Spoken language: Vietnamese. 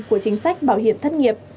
của chính sách bảo hiểm thất nghiệp